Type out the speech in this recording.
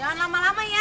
jangan lama lama ya